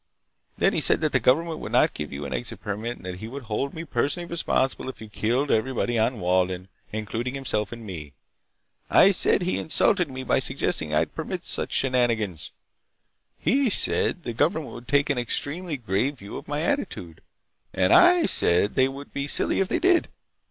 Then he said that the government would not give you an exit permit, and that he would hold me personally responsible if you killed everybody on Walden, including himself and me. I said he insulted me by suggesting that I'd permit such shenanigans. He said the government would take an extremely grave view of my attitude, and I said they would be silly if they did.